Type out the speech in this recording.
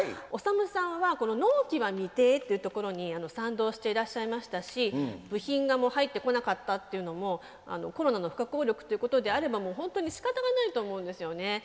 おさむさんはこの納期は未定というところに賛同していらっしゃいましたし部品が入ってこなかったっていうのもコロナの不可抗力ということであればほんとにしかたがないと思うんですよね。